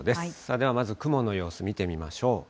ではまず雲の様子見てみましょう。